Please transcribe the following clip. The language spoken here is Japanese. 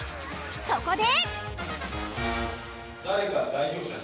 そこで。